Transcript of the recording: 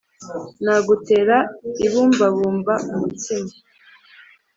Nagutera ibumbabumba-Umutsima.